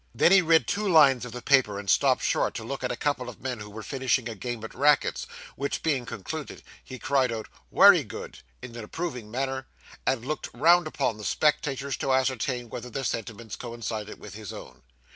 Then, he read two lines of the paper, and stopped short to look at a couple of men who were finishing a game at rackets, which, being concluded, he cried out 'wery good,' in an approving manner, and looked round upon the spectators, to ascertain whether their sentiments coincided with his own.